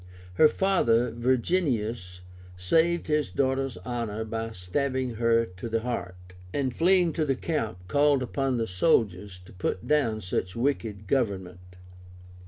Her father, Virginius, saved his daughter's honor by stabbing her to the heart, and fleeing to the camp called upon the soldiers to put down such wicked government.